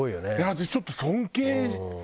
私ちょっと尊敬。